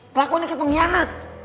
kelakuan dia kayak pengkhianat